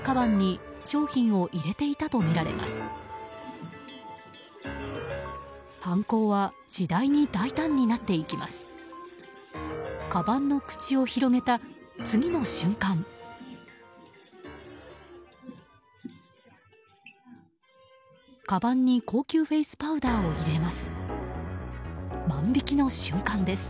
かばんに高級フェースパウダーを入れます。